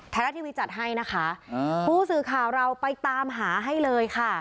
รัฐทีวีจัดให้นะคะผู้สื่อข่าวเราไปตามหาให้เลยค่ะ